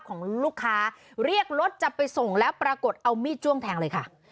ของลูกค้าเรียกรถจะไปส่งแล้วปรากฏเอามีดจ้วงแทงเลยค่ะ